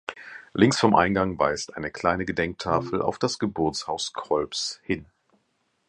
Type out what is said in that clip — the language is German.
Links vom Eingang weist eine kleine Gedenktafel auf das Geburtshaus Kolbs hin.